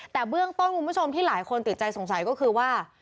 แต่เบื้องต้นคุณผู้ชมที่หลายคนติดใจสงสัยก็คือว่า